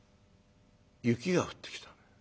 「雪が降ってきた」。